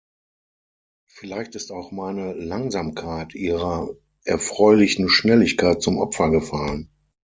Vielleicht ist auch meine Langsamkeit ihrer erfreulichen Schnelligkeit zum Opfer gefallen.